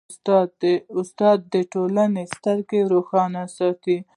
استاد د ټولنې سترګې روښانه ساتي.